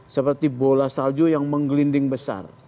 seperti bola salju yang menggelinding besar